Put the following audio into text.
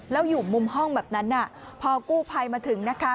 แล้วอยู่มุมห้องแบบนั้นพอกู้ภัยมาถึงนะคะ